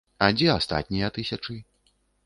А дзе астатнія тысячы?